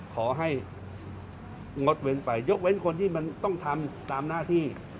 ขอให้งดเว้นไปยกเว้นคนที่มันต้องทำตามหน้าที่